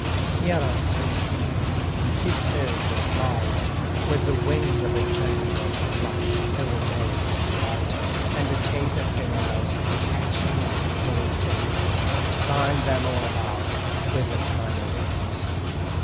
Here are sweet peas, on tip toe for a flight: With wings of gentle flush o'er delicate white And taper fingers catching at all things, To bind them all about with tiny rings.